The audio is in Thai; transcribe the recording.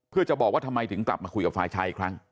เพื่อจะบอกว่าทำไมถึงกลับมาคุยกับฝ่ายชายอีกครั้ง